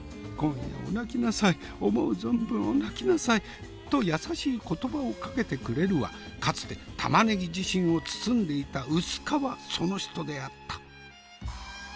「今夜お泣きなさい思う存分お泣きなさい」と優しい言葉をかけてくれるはかつて玉ねぎ自身を包んでいた薄皮その人であった。